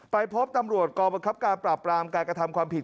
ไปพบตำรวจกองบังคับการปราบปรามการกระทำความผิด